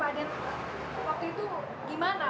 waktu itu gimana